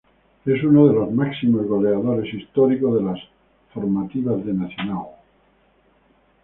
Es uno de los máximos goleadores históricos de las formativas de Nacional.